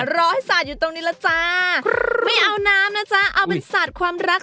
รอให้สาดอยู่ตรงนี้แล้วจ้าไม่เอาน้ำนะจ๊ะเอาเป็นสาดความรัก